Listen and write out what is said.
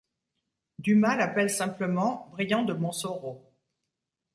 Dumas l'appelle simplement Bryant de Monsoreau.